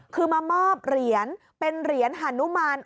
คือมามอบเหรียญเป็นเหรียญหานุมาน